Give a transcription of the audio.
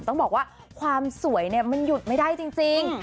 ต้องบอกว่าความสวยเนี่ยมันหยุดไม่ได้จริง